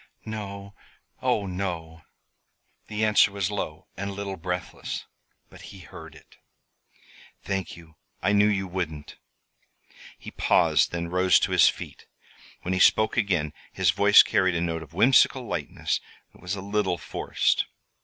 "No oh, no!" The answer was low and a little breathless; but he heard it. "Thank you. I knew you wouldn't." He paused, then rose to his feet. When he spoke again his voice carried a note of whimsical lightness that was a little forced.